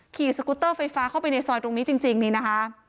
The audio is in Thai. สกุตเตอร์ไฟฟ้าเข้าไปในซอยตรงนี้จริงนี่นะคะ